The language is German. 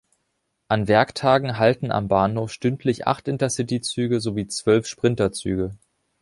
An Werktagen halten am Bahnhof stündlich acht Intercity-Züge sowie zwölf Sprinter-Züge.